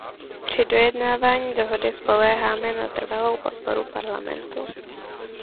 Při dojednávání dohody spoléháme na trvalou podporu Parlamentu.